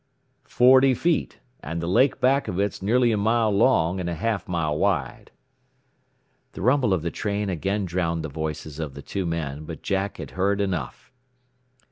"Forty feet, and the lake back of it is nearly a mile long, and a half mile wide." The rumble of the train again drowned the voices of the two men, but Jack had heard enough.